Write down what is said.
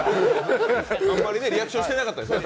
あんまりリアクションしてなかったですね。